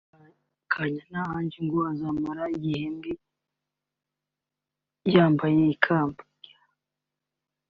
ari we Kanyana Angel ngo azamara igihembwe yambaye ikamba